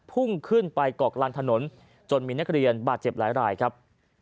พุ่งขึ้นไปเกาะกลางถนนจนมีนักเรียนบาดเจ็บหลายรายครับ